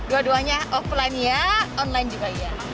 dua duanya offline ya online juga ya